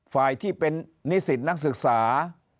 ฝ่ายที่เป็นนิสิตนักศึกษา